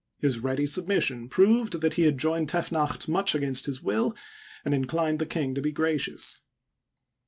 His ready submission proved that he had joined Tefnacht much against his will, and in clined the king to be gracious.